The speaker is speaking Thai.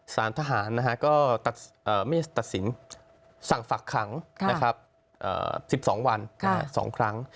สถานทหารนะฮะก็ไม่ได้ตัดสินสั่งฝักขังนะครับ